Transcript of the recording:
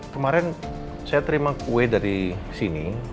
kemarin saya terima kue dari sini